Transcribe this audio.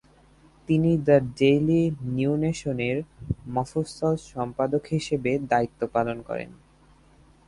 তিনি "the Daily New নেশনে"র মফস্বল সম্পাদক হিসেবে দায়িত্ব পালন করেন।